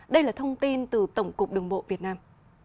đây là thông tin từ tổng cục đường bộ việt nam